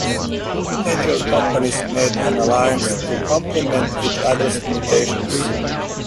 Two major companies made an alliance to compliment each other's limitations.